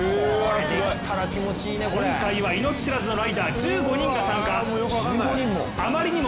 今回は命知らずのライダー１５人が参加。